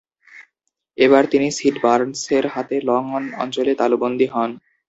এবার তিনি সিড বার্নসের হাতে লং অন অঞ্চলে তালুবন্দী হন।